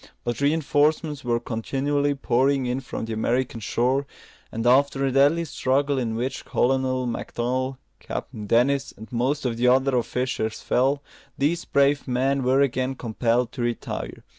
But reinforcements were continually pouring in from the American shore; and after a deadly struggle, in which Colonel Macdonell, Captain Dennis, and most of the other officers fell, these brave men were again compelled to retire.